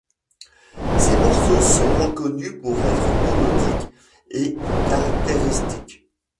Ses morceaux sont reconnus pour être mélodiques et caractéristiques.